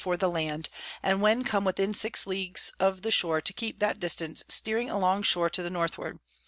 for the Land; and when come within six Leagues of the Shore, to keep that distance, steering along Shore to the Northward.